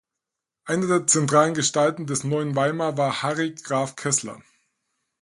Einer der zentralen Gestalten des „Neuen Weimar“ war Harry Graf Kessler.